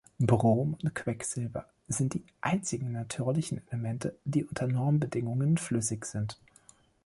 Brom und Quecksilber sind die einzigen natürlichen Elemente, die unter Normbedingungen flüssig sind.